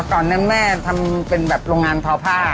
ตอนนั้นแม่ทำเป็นแบบโรงงานทอผ้า